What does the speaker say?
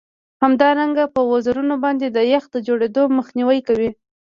همدارنګه په وزرونو باندې د یخ د جوړیدو مخنیوی کوي